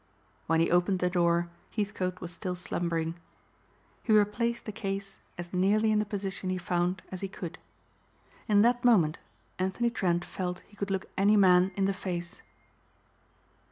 When he opened the door Heathcote was still slumbering. He replaced the case as nearly in the position he found as he could. In that moment Anthony Trent felt he could look any man in the face.